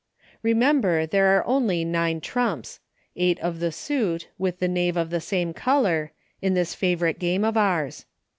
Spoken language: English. Eemember, there are only nine trumps — eight of the suit, with the Knave of the same color — in this fa vorite game of burs.